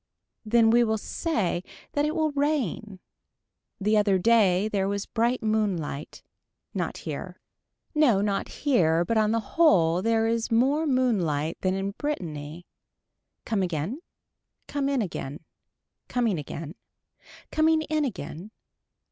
Then we will say that it will rain. The other day there was bright moonlight. Not here. No not here but on the whole there is more moonlight than in Brittany. Come again. Come in again. Coming again. Coming in again.